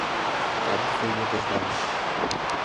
Каб вы не даждалі!